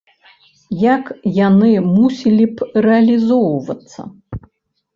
Як яны мусілі б рэалізоўвацца?